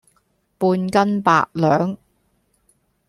半斤八兩